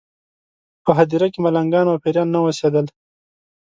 په هدیره کې ملنګان او پېران نه اوسېدل.